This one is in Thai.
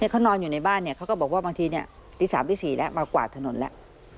เขานอนอยู่ในบ้านเขาก็บอกว่าบางทีตี๓ตี๔แล้วมากวาดถนนแล้ว